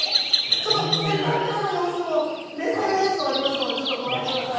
ちょっと、先端からの様子も目線映像ありますので、ちょっとご覧ください。